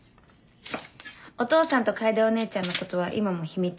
お父さんと楓お姉ちゃんのことは今も秘密？